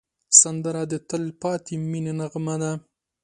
سندره د تل پاتې مینې نغمه ده